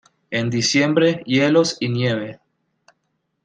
En diciembre, hielos y nieve.